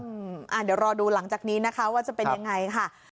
เดี๋ยวรอดูหลังจากนี้นะคะว่าจะเป็นยังไงค่ะ